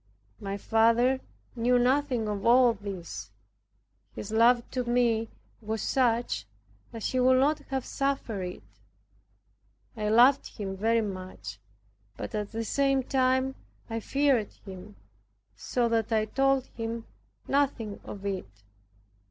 My father knew nothing of all this; his love to me was such that he would not have suffered it. I loved him very much, but at the same time I feared him, so that I told him nothing of it.